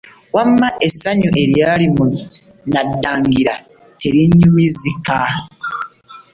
Wamma essanyu eryali mu Naddangira terinyumizika.